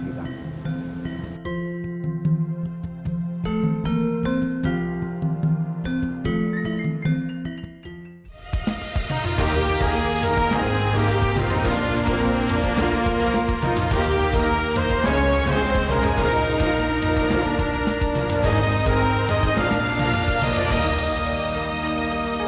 satu ini para kakak kes sukup